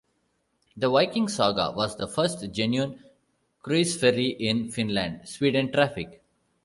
The Viking Saga was the first genuine cruiseferry in Finland - Sweden traffic.